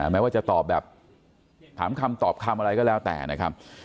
แม้ว่าจะตอบแบบถามคำตอบคำอะไรก็แล้วแต่นะครับ